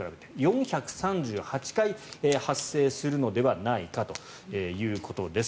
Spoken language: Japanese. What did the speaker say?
４３８回発生するのではないかということです。